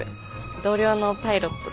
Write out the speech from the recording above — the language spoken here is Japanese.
同僚のパイロットで。